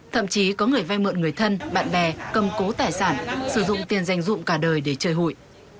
thậm chí có người vay mượn người thân bạn bè cầm cố tài sản sử dụng tiền danh dụng cả đời để chơi hụi